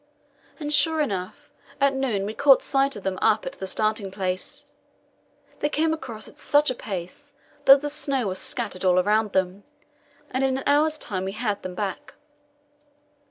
And, sure enough, at noon we caught sight of them up at the starting place. They came across at such a pace that the snow was scattered all round them, and in an hour's time we had them back.